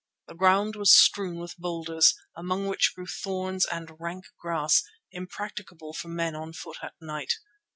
The ground was strewn with boulders, among which grew thorns and rank grass, impracticable for men on foot at night.